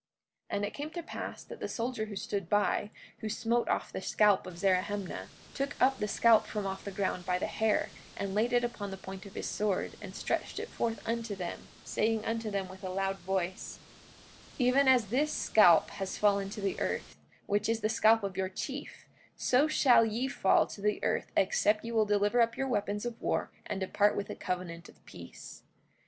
44:13 And it came to pass that the soldier who stood by, who smote off the scalp of Zerahemnah, took up the scalp from off the ground by the hair, and laid it upon the point of his sword, and stretched it forth unto them, saying unto them with a loud voice: 44:14 Even as this scalp has fallen to the earth, which is the scalp of your chief, so shall ye fall to the earth except ye will deliver up your weapons of war and depart with a covenant of peace.